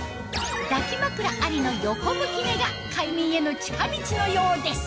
抱き枕ありの横向き寝が快眠への近道のようです